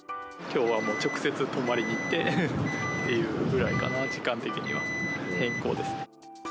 きょうはもう直接泊まりに行ってというぐらいかな、時間的には、変更ですね。